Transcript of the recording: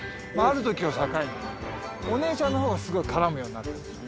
あるときを境にお姉ちゃんの方がすごい絡むようになった。